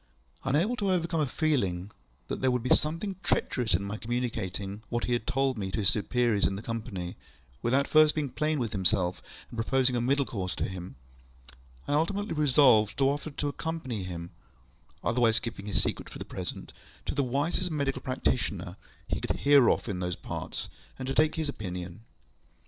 Unable to overcome a feeling that there would be something treacherous in my communicating what he had told me to his superiors in the Company, without first being plain with himself and proposing a middle course to him, I ultimately resolved to offer to accompany him (otherwise keeping his secret for the present) to the wisest medical practitioner we could hear of in those parts, and to take his opinion.